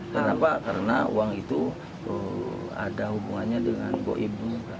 kenapa karena uang itu ada hubungannya dengan ibu ibu